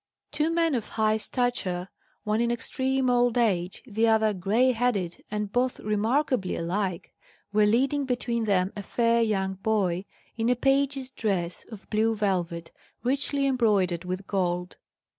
Two men of high stature one in extreme old age, the other grey headed, and both remarkably alike were leading between them a fair young boy, in a page's dress of blue velvet, richly embroidered with gold.